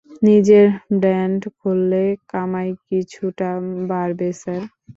নিজের ব্যান্ড খোললে, কামাই কিছুটা বাড়বে, স্যার।